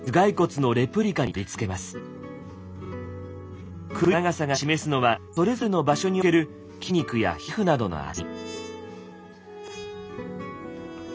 杭の長さが示すのはそれぞれの場所における筋肉や皮膚などの厚み。